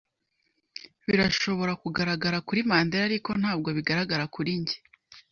Birashobora kugaragara kuri Mandera, ariko ntabwo bigaragara kuri njye.